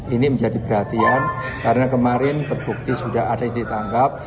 ini menjadi perhatian karena kemarin terbukti sudah ada yang ditangkap